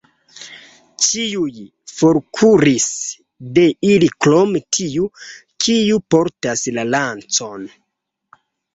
Ĉiuj forkuris de ili krom tiu, kiu portas la lancon.